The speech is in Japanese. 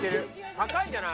高いんじゃない？